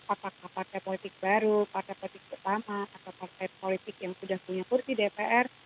apakah partai politik baru partai politik pertama atau partai politik yang sudah punya kursi dpr